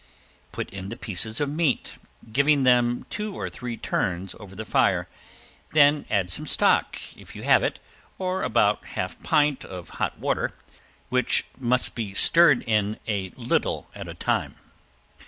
Put in the pieces of meat, giving them two or three turns over the fire, then add some stock, if you have it, or about half pint of hot water, which must be stirred in a little at a time.